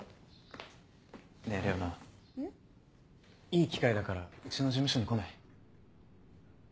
いい機会だからうちの事務所に来ない？